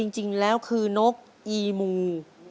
จริงแล้วคือนกอีมู